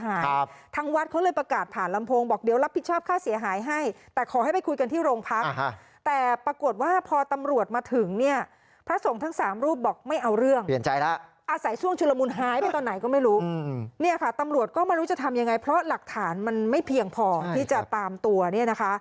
ครับทางวัดเขาเลยประกาศผ่านลำโพงบอกเดี๋ยวรับผิดชอบค่าเสียหายให้แต่ขอให้ไปคุยกันที่โรงพักฮะแต่ปรากฏว่าพอตำรวจมาถึงเนี่ยพระสงฆ์ทั้งสามรูปบอกไม่เอาเรื่องเปลี่ยนใจแล้วอาศัยช่วงชุลมุนหายไปตอนไหนก็ไม่รู้อืมเนี่ยค่ะตำรวจก็ไม่รู้จะทำยังไงเพราะหลักฐานมันไม่เพียงพอที่จะตามตัวเนี่ยนะคะ